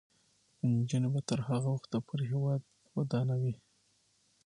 نجونې به تر هغه وخته پورې هیواد ودانوي.